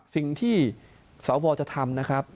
สิ่งที่สวจะทำนะครับ